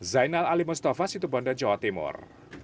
zainal ali mustafa situ bondo jawa timur